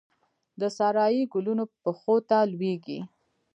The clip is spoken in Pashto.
د سارايي ګلونو پښو ته لویږې